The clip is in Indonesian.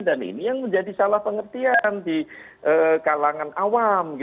dan ini yang menjadi salah pengertian di kalangan awam